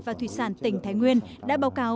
và thủy sản tỉnh thái nguyên đã báo cáo